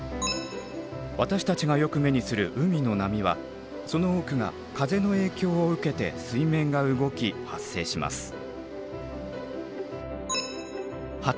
私たちがよく目にする海の波はその多くが風の影響を受けて水面が動き発生します。